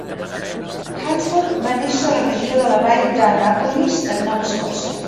Hansford va néixer a la regió de la vall d'Annapolis en Nova Escòcia.